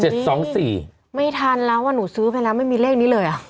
เจ็ดสองสี่ไม่ทันแล้วว่าหนูซื้อไปแล้วไม่มีเลขนี้เลยอ่ะ